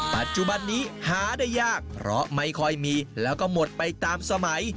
ปัจจุบันนี้หาได้ยากเพราะไม่ค่อยมีแล้วก็หมดไปตามสมัย